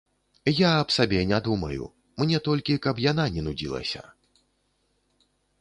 Я аб сабе не думаю, мне толькі, каб яна не нудзілася.